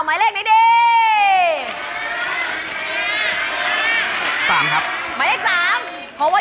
หมวกปีกดีกว่าหมวกปีกดีกว่า